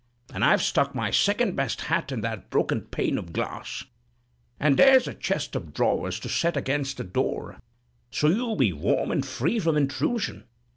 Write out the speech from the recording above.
And I've stuck my second best hat in that broken pane of glass, and there's a chest of drawers to set against the door; so you'll be warm and free from intrusion.